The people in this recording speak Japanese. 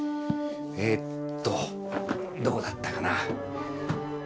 えっとどこだったかな？